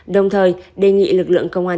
đồng thời đề nghị lực lượng công an